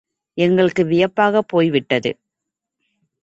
எங்களுக்கு வியப்பாகப் போய்விட்டது.